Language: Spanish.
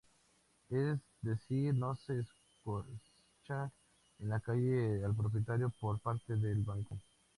Es decir, no se echa a la calle al propietario por parte del banco.